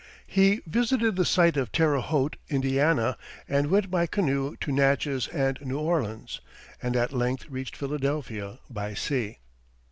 He visited the site of Terre Haute, Ind., and went by canoe to Natchez and New Orleans, and at length reached Philadelphia by sea.